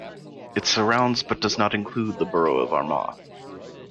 It surrounds but does not include the borough of Armagh.